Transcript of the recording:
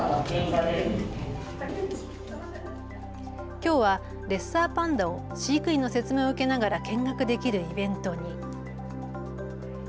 きょうはレッサーパンダを飼育員の説明を受けながら見学できるイベントに。